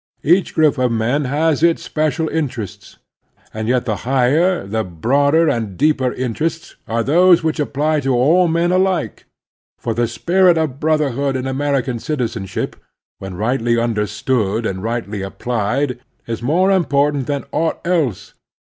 Each group of men has its special in terests ; and yet the higher, the broader and deeper interests are those which apply to all men alike ; for the spirit of brotherhood in American citizenship, when rightly understood and rightly applied, is more important than aught else.